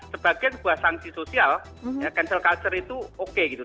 sebagian sebuah sanksi sosial cancel culture itu oke gitu